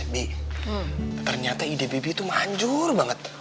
bi ternyata ide bebi tuh manjur banget